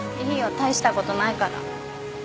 大したことないから。